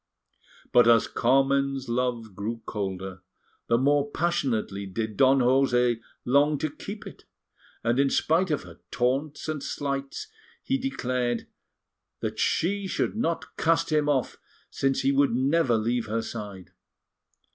But as Carmen's love grew colder, the more passionately did Don José long to keep it, and in spite of her taunts and slights, he declared that she should not cast him off, since he would never leave her side.